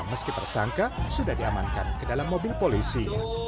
meski tersangka sudah diamankan ke dalam mobil polisi